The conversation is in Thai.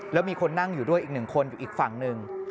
แล้วมีคนนั่งอยู่ด้วยอีกหนึ่งคนอยู่อีกฝั่งหนึ่ง